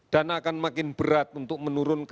dan akan makin berat untuk penularan covid sembilan belas